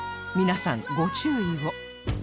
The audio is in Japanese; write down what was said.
皆さんご注意を